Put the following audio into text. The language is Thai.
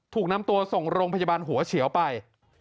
ถูกนำตัวส่งโรงพยาบาลหัวเฉียวไป